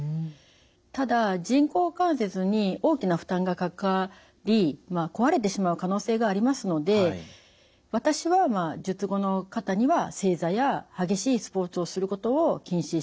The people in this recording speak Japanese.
ただ人工関節に大きな負担がかかり壊れてしまう可能性がありますので私は術後の方には正座や激しいスポーツをすることを禁止しています。